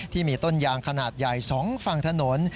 ที่มีต้นยางขนาดใหญ่๒ฝั่งถนน